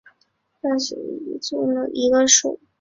浊绡蝶属是蛱蝶科斑蝶亚科绡蝶族中的一个属。